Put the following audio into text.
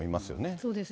そうですね。